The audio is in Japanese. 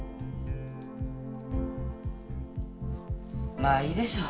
まあいいでしょう。